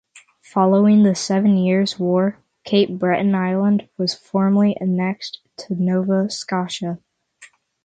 Following the Seven Years' War, Cape Breton Island was formally annexed to Nova Scotia.